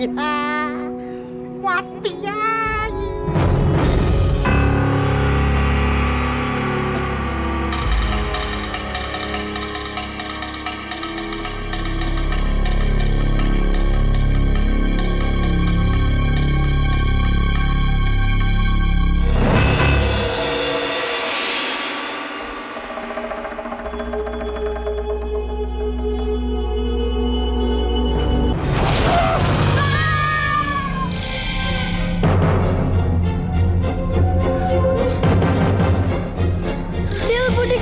eh ya eh masuk masuk eh terus terus terus